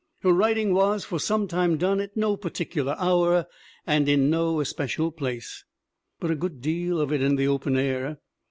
Her writing was for some time done at no particu lar hour and in no especial place, but a good deal of it in the open air.